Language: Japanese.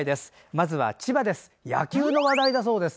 まずは千葉です。